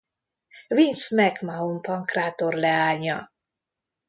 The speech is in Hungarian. Vince McMahon pankrátor leánya.